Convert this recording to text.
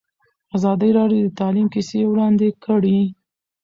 ازادي راډیو د تعلیم کیسې وړاندې کړي.